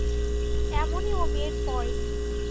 এমনই ও-মেয়ের পয়।